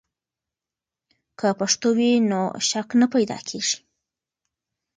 که پښتو وي، نو شک نه پیدا کیږي.